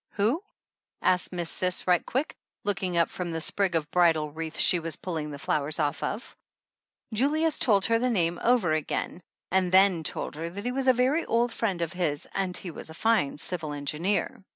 "Who?" asked Miss Cis right quick, looking up from the sprig of bridal wreath she was pull ing the flowers off of. Julius told her the name over again and then THE ANNALS OF ANN told her that he was a very old friend of his and was a fine civil engineer.